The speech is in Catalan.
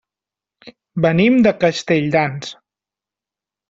Venim de Castelldans.